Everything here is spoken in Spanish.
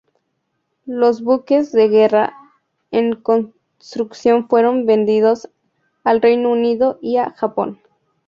Los buques de guerra en construcción fueron vendidos al Reino Unido y a Japón.